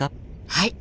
はい！